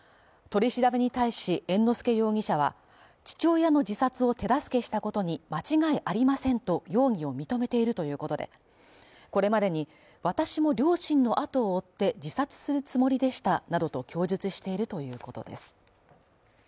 取り調べに対し、猿之助容疑者は父親の自殺を手助けしたことに間違いありませんと容疑を認めているということで、これまでに私も両親の後を追って自殺するつもりでしたなどと供述しているということです。